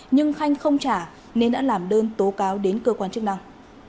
nhưng khanh không trả nên đã làm đơn tố cáo đến cơ quan chức năng